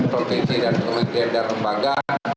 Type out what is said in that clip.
provinsi dan kementerian dan lembaga